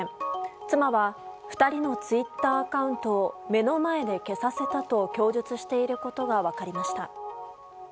妻は２人のツイッターアカウントを目の前で消させたと供述していることが分かりました。